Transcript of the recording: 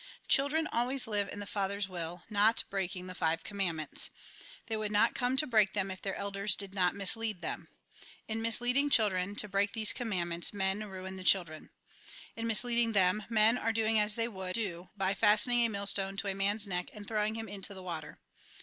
Children always live in the Father's will, not breaking the five commandments. They would not come to break them if their elders did not mislead them. In misleading children to break those com mandments, men ruin the children. In misleading them, men are doing as they would do by fastening a millstone to a man's neck and throwing him into the water.